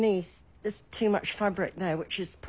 はい。